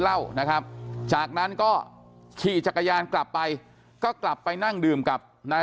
เหล้านะครับจากนั้นก็ขี่จักรยานกลับไปก็กลับไปนั่งดื่มกับนาย